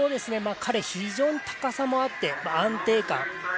彼、非常に高さもあって、安定感、